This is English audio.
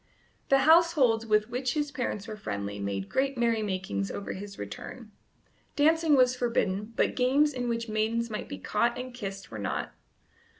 The households with which his parents were friendly made great merrymakings over his return. Dancing was forbidden, but games in which maidens might be caught and kissed were not.